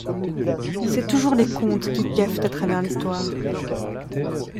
C’est toujours les comptes qui caftent à travers l’Histoire…